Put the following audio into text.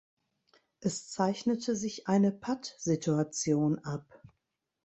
Es zeichnete sich eine Pattsituation ab.